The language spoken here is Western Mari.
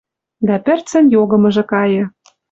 Дӓ пӹрцӹн йогымыжы кайы.